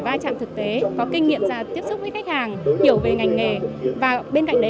vai trạm thực tế có kinh nghiệm ra tiếp xúc với khách hàng hiểu về ngành nghề và bên cạnh đấy